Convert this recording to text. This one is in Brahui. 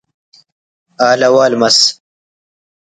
حال احوال مس